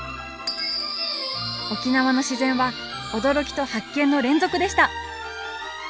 沖縄の自然は驚きと発見の連続でした！